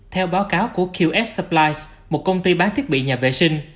theo báo cáo của qs suplice một công ty bán thiết bị nhà vệ sinh